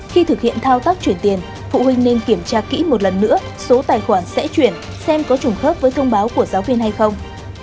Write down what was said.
khi thực hiện thao tác chuyển tiền phụ huynh nên kiểm tra kỹ một lần nữa số tài khoản sẽ chuyển xem có trùng khớp với thông báo của giáo viên hay không